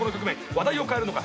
話題を変えるのか？